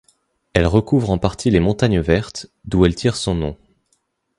Elle recouvre en partie les montagnes Vertes, d'où elle tire son nom.